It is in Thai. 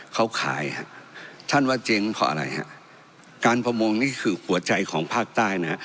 เขาขายฮะท่านว่าเจ๊งเพราะอะไรฮะการประมงนี่คือหัวใจของภาคใต้นะฮะ